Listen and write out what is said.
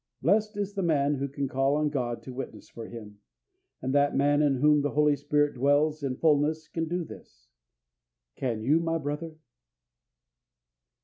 Blessed is the man who can call on God to witness for him; and that man in whom the Holy Spirit dwells in fullness can do this. Can you, my brother?